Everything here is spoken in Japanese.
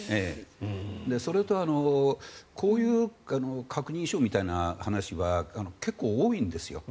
それとこういう確認書みたいな話は結構多いんですよ。